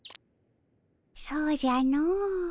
そうじゃの。